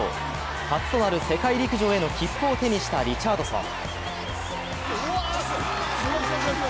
初となる世界陸上への切符を手にしたリチャードソン。